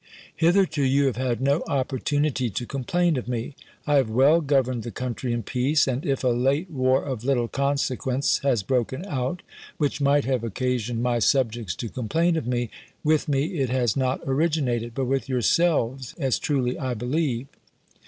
"Hitherto you have had no opportunity to complain of me; I have well governed the country in peace, and if a late war of little consequence has broken out, which might have occasioned my subjects to complain of me, with me it has not originated, but with yourselves, as truly I believe.